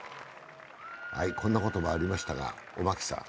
こんなこともありましたがおマキさん。